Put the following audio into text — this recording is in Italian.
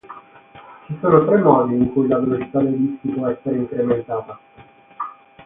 Ci sono tre modi in cui la velocità dei dischi può essere incrementata.